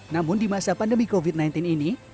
namun di masa pandemi covid sembilan belas ini